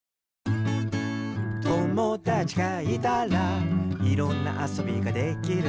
「友だちがいたらいろんなあそびができる」